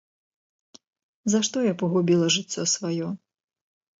За што я пагубіла жыццё сваё?